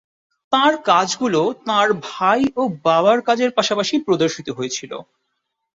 তাঁর কাজগুলো তাঁর ভাই ও বাবার কাজের পাশাপাশি প্রদর্শিত হয়েছিল।